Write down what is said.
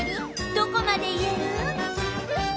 どこまで言える？